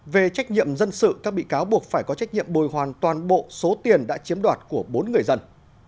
về trách nhiệm dân sự các bị cáo buộc phải có trách nhiệm bồi hoàn toàn bộ số tiền đã chiếm đoạt của bốn người dân